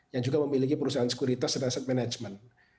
yang juga memiliki perusahaan sekuritas dan asset management